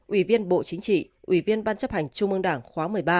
ủy viên bộ chính trị ủy viên ban chấp hành trung ương đảng khóa một mươi ba